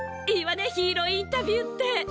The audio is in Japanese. いいわねヒーローインタビューって。